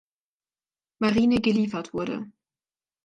Marine geliefert wurde.